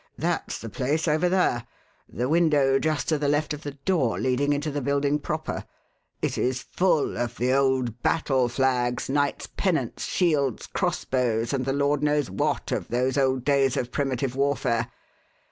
That's the place over there the window just to the left of the door leading into the building proper. It is full of the old battle flags, knights' pennants, shields, cross bows, and the Lord knows what of those old days of primitive warfare.